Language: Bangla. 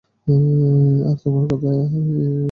আর তোমার কথাও বলব।